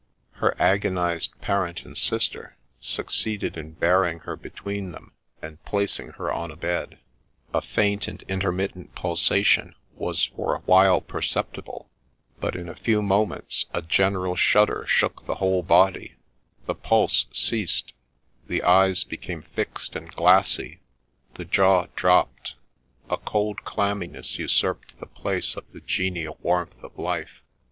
Her agonized parent and sister succeeded in bearing her between them and placing her on a bed : a faint and intermittent pulsation was for a while perceptible ; but in a few moments a general shudder shook the whole body ; the pulse ceased, the eyes became fixed and glassy, the jaw dropped, a cold clammi ness usurped the place of the genial warmth of life.